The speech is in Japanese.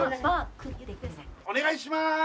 お願いしまーす